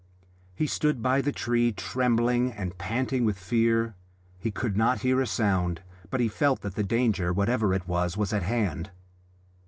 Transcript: He stood by the tree trembling and panting with fear. He could not hear a sound, but he felt that the danger, whatever it was, was at hand.